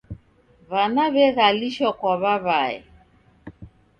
W'ana w'egalishwa kwa w'aw'ae.